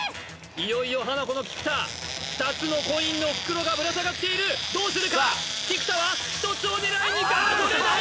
いよいよハナコの菊田２つのコインの袋がぶら下がっているどうするか菊田は１つを狙いにあっ取れない！